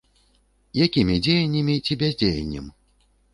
Якімі дзеяннямі ці бяздзеяннем?